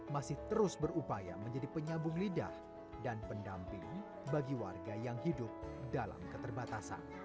masih terus berupaya menjadi penyambung lidah dan pendamping bagi warga yang hidup dalam keterbatasan